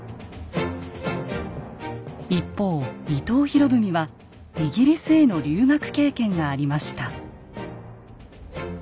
一方伊藤博文はイギリスへの留学経験がありました。